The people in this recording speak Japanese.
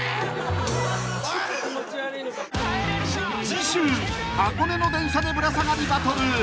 ［次週箱根の電車でぶら下がりバトル］